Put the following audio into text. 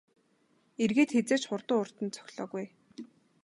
Эргээд хэзээ ч хурдан хурдан цохилоогүй ээ.